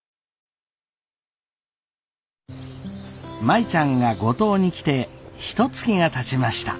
舞ちゃんが五島に来てひとつきがたちました。